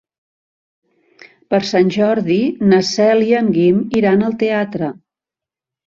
Per Sant Jordi na Cel i en Guim iran al teatre.